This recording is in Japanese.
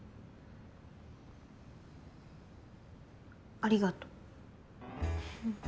ありがとう。